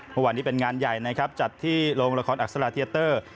เมื่อวานนี้เป็นงานใหญ่นะครับจัดที่โรงละครอักษราเทียเตอร์